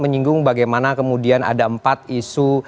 menyinggung bagaimana kemudian ada empat isu